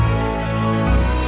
sampai jumpa lagi